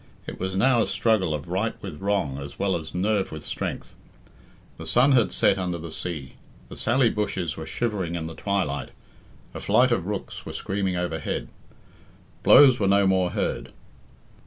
It was now a struggle of right with wrong as well as nerve with strength. The sun had set under the sea, the sally bushes were shivering in the twilight, a flight of rooks were screaming overhead. Blows were no more heard.